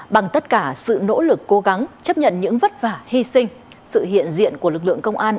bằng tất cả sự nỗ lực cố gắng chấp nhận những vất vả hy sinh sự hiện diện của lực lượng công an